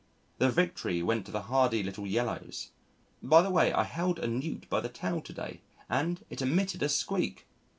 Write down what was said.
The victory went to the hardy little Yellows.... By the way, I held a Newt by the tail to day and it emitted a squeak!